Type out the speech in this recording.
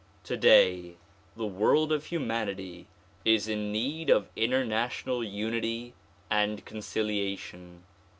Today the world of humanity is in need of international unity and conciliation.